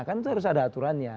kan itu harus ada aturannya